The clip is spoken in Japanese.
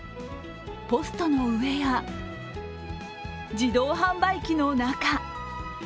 ポストの上や、自動販売機の中。